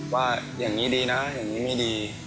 ว่าอย่างนี้ดีนะอย่างนี้ไม่ดี